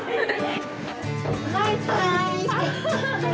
バイバーイ。